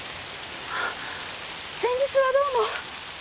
先日はどうも。